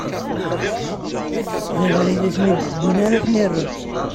D abrid i ten-id-iwwin ara ten-irren.